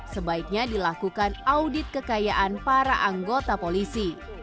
sebaiknya dilakukan audit kekayaan para anggota polisi